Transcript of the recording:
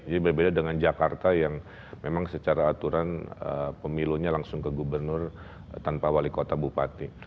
jadi berbeda dengan jakarta yang memang secara aturan pemilunya langsung ke gubernur tanpa wali kota bupati